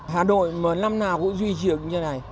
hà nội một năm nào cũng duy trì được như thế này